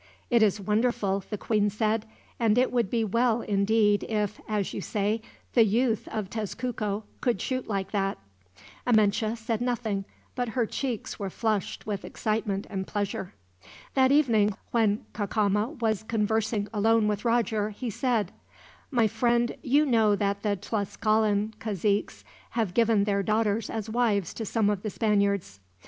"It is wonderful," the queen said; "and it would be well indeed if, as you say, the youth of Tezcuco could shoot like that." Amenche said nothing, but her cheeks were flushed with excitement and pleasure. That evening, when Cacama was conversing alone with Roger, he said: "My friend, you know that the Tlascalan caziques have given their daughters as wives to some of the Spaniards.